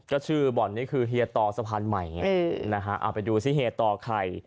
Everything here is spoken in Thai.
ก็ชื่อบ่อนนี้คือเฮียตอสะพานใหม่ไงนะฮะเอาไปดูซิเฮียต่อใคร